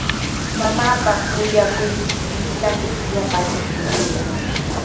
Mamaapa kuyakuynintami llapaa traskikuyaa.